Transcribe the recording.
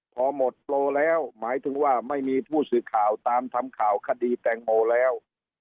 พอหมดโปรแล้วหมายถึงว่าไม่มีผู้สื่อข่าวตามทำข่าวคดีแตงโมแล้ว